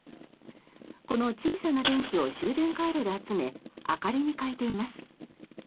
この小さな電気を集電回路で集め明かりに変えています。